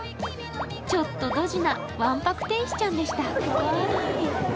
ちょっとドジなわんぱく天使ちゃんでした。